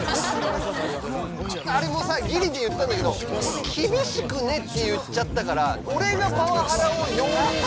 あれもさギリで言ったんだけど「厳しくね」って言っちゃったから俺が。